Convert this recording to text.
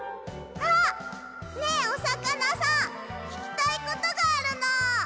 あっねえおさかなさんききたいことがあるの！